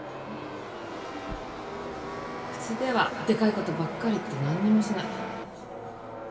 口ではデカいことばっかり言って何にもしない。